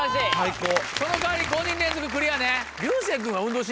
その代わり５人連続クリアね。